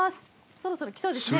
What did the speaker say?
そろそろ来そうですね